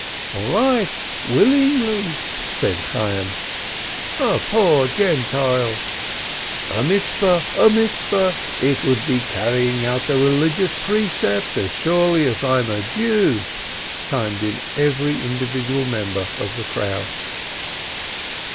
"All right, willingly !" said Chayyim. "A poor Gen tile!" "A precept, a precept! It would be carrying out a religious precept, as surely as I am a Jew!" chimed in every individual member of the crowd.